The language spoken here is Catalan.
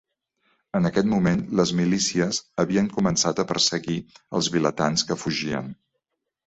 En aquest moment, les milícies havien començat a perseguir els vilatans que fugien.